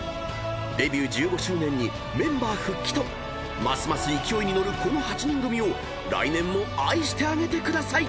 ［デビュー１５周年にメンバー復帰とますます勢いに乗るこの８人組を来年も愛してあげてください］